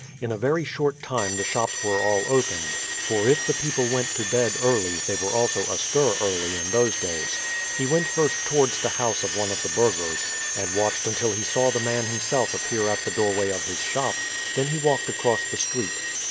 In a very short time the shops were all opened; for if the people went to bed early, they were also astir early in those days. He went first towards the house of one of the burghers, and watched until he saw the man himself appear at the doorway of his shop; then he walked across the street.